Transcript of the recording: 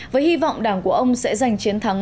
với hy vọng đảng của ông sẽ giành chiến thắng